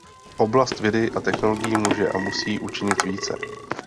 Oblast vědy a technologií může a musí učinit více.